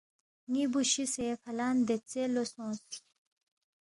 ن٘ی بُو شِسے فلان دیژے لو سونگس